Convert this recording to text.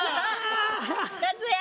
夏や！